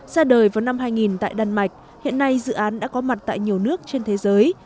ra đời vào năm hai nghìn tại đan mạch hiện nay dự án đã có mặt tại nhiều nước trên thế giới